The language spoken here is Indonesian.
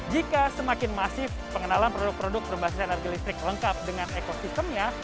jika semakin masif pengenalan produk produk berbasis energi listrik lengkap dengan ekosistemnya